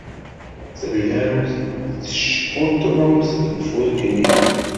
Tellamt teckunṭḍemt deg ufurk-nni.